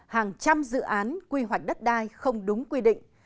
hàng trăm dự án quy hoạch đất đai không đúng quy định